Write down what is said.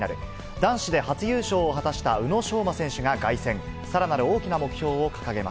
男子で初優勝を果たした宇野昌磨選手が凱旋。